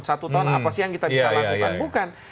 satu tahun apa sih yang kita bisa lakukan bukan